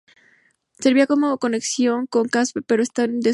Servía como conexión con Caspe pero está en desuso.